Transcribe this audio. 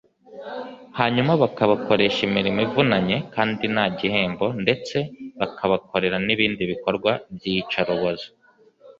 hanyuma bakabakoresha imirimo ivunanye kandi nta gihembo ndetse bakabakorera n’ibindi bikorwa by’iyicarubozo